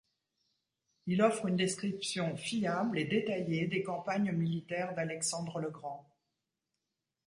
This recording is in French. Il offre une description fiable et détaillée des campagnes militaires d'Alexandre le Grand.